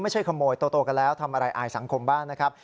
ขโมยโตกันแล้วทำอะไรอายสังคมบ้างนะครับ